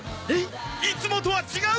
いつもとは違う！